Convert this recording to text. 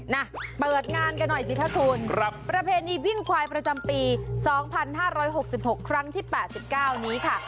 นะเปิดงานกันหน่อยสิคะคุณประเพณีวิ่งควายประจำปี๒๕๖๖ครั้งที่๘๙นี้ค่ะ